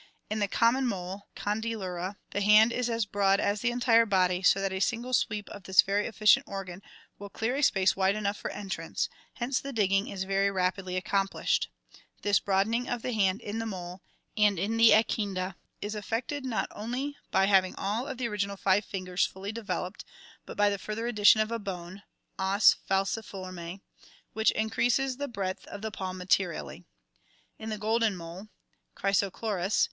In the common mole, Condylura, the hand is as broad as the entire body, so that a single sweep of this very efficient organ will clear a space wide enough for entrance, hence the digging is very rapidly accomplished. This broadening of the hand in the mole and in the echidna is effected not only by 3I2 ORGANIC EVOLUTION B having all of the original five fingers fully developed, but by the further addition of a bone (os falciforme) which increases the breadth of the palm materially (see Fig. 57). In the golden mole « (Chrysochloris, Fig.